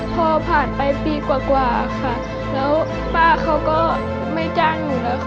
พอผ่านไปปีกว่าค่ะแล้วป้าเขาก็ไม่จ้างอยู่แล้วค่ะ